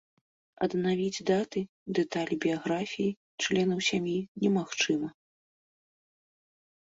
Аднавіць даты, дэталі біяграфіі, членаў сям'і немагчыма.